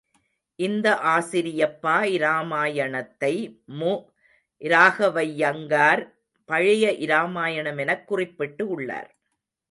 இந்த ஆசிரியப்பா இராமாயணத்தை மு. இராகவையங்கார் பழைய இராமாயணம் எனக் குறிப்பிட்டு உள்ளார்.